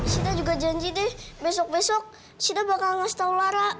sita juga janji deh besok besok sita bakal ngasih tahu lara